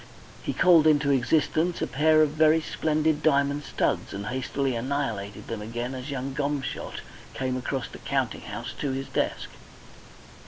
He called into existence a pair of very splendid diamond studs, and hastily annihilated them again as young Gomshott came across the counting house to his desk.